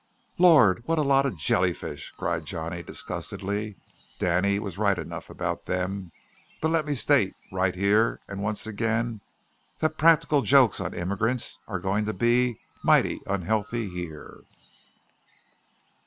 "Lord! what a lot of jellyfish!" cried Johnny disgustedly. "Danny was right enough about them. But let me state right here and once again that practical jokes on immigrants are going to be mighty unhealthy here."